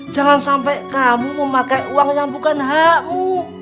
jangan sampai kamu memakai uang yang bukan hau